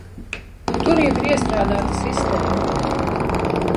Tur jau ir iestrādāta sistēma.